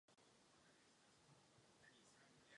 Později působil na vysoké škole v Jihlavě.